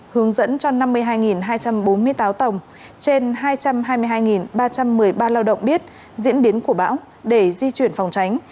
hướng dẫn cho năm mươi hai hai trăm bốn mươi tám tàu trên hai trăm hai mươi hai ba trăm một mươi ba lao động biết diễn biến của bão để di chuyển phòng tránh